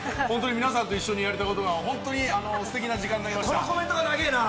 皆さんと一緒にやれたことがステキな時間になりました。